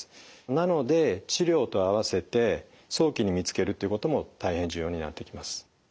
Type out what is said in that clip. なので治療と併せて早期に見つけるということも大変重要になってきます。